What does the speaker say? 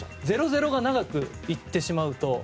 ０−０が長くなってしまうと。